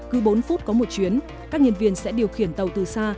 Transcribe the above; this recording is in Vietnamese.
cứ bốn phút có một chuyến các nhân viên sẽ điều khiển tàu từ xa